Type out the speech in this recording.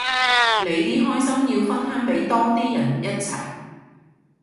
你啲開心要分享俾多啲人一齊